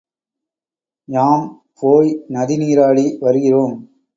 யாம் போய் நதி நீராடி வருகிறோம்.